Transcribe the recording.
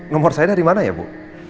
nomor saya dari mana ya bu